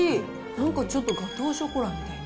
なんかちょっとガトーショコラみたいな。